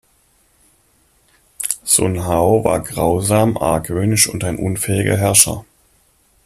Sun Hao war grausam, argwöhnisch und ein unfähiger Herrscher.